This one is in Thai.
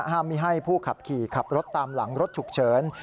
ไม่ให้ผู้ขับขี่ขับรถตามหลังรถฉุกเฉิน